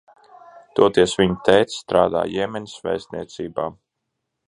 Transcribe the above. Toties viņa tētis strādā Jemenas vēstniecībā.